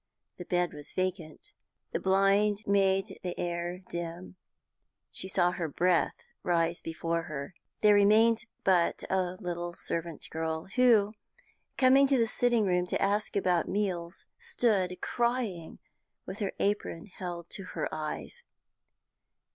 The bed was vacant; the blind made the air dim; she saw her breath rise before her. There remained but a little servant girl, who, coming to the sitting room to ask about meals, stood crying with her apron held to her eyes.